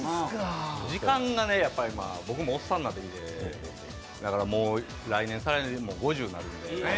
時間がね、僕もおっさんになってきて、だから、もう来年、再来年、５０になるので。